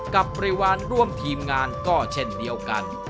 บริวารร่วมทีมงานก็เช่นเดียวกัน